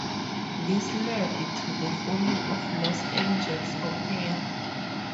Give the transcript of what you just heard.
This led to the forming of Los Angeles Opera.